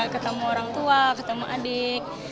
ketemu orang tua ketemu adik